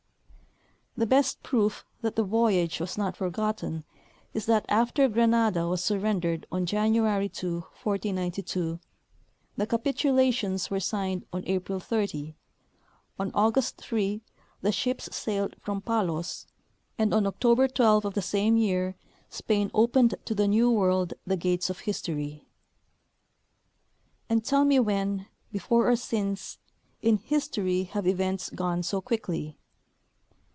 The best proof that the voyage was not forgotten is that after Granada was surrendered, on January 2, 1492, the capitulations were signed on April 30 ; on August 3 the ships sailed from Palos, and on October 12 of the same year Spain opened to the New World the gates of history. And tell me when, before or since, in history have events gone so quickly